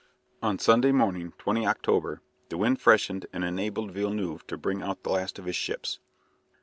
On the Sunday morning (20 October) the wind freshened and enabled Villeneuve to bring out the last of his ships.